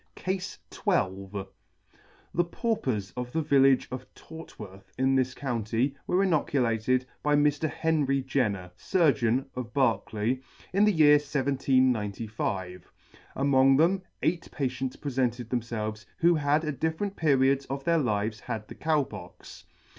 CASE XII : THE Paupers of the village of Tort worth, in this County, were inoculated by Mr. Henry Jenner, Surgeon, of Berkeley, in the year 1795. Among them, eight patients prefented them felves who had at different periods of their lives had the Cow Pox.